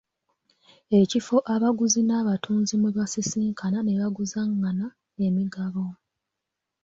Ekifo abaguzi n'abatunzi mwe basisinkana ne baguzangana emigabo.